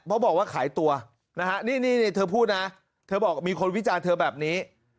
เพราะบอกว่าขายตัวนะฮะนี่เธอพูดนะเธอบอกมีคนวิจารณ์เธอแบบนี้